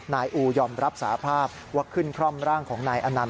นายอูยอมรับสาภาพว่าขึ้นคร่อมร่างของนายอนันต